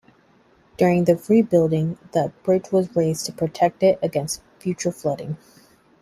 During the rebuilding, the bridge was raised to protect it against future flooding.